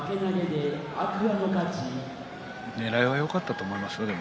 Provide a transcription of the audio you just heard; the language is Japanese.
ねらいはよかったと思いますよ。